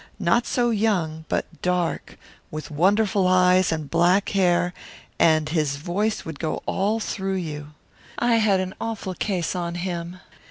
Not so young, but dark, with wonderful eyes and black hair, and his voice would go all through you. I had an awful case on him.